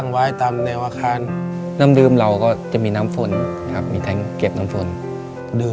ในแคมเปญพิเศษเกมต่อชีวิตโรงเรียนของหนู